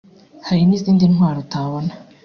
hari n’izindi ntwaro utabona